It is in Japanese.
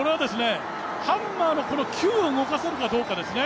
ハンマーの球を動かせるかどうかですね。